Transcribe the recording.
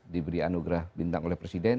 diberi anugerah bintang oleh presiden